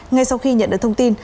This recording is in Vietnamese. ngay sau khi nhận được thông tin